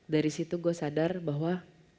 dari situ gue sadar bahwa